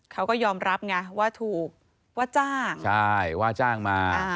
เขาก็ยอมรับไงว่าถูกว่าจ้างใช่ว่าจ้างมา